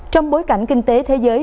trong bối cảnh kinh tế thế giới